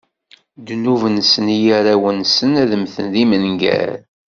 Ddnub-nsen i yirawen-nsen, ad mmten d imengar.